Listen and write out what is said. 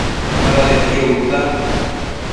Badedquio bëdta